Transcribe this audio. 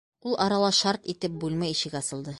Ул арала шарт итеп бүлмә ишеге асылды.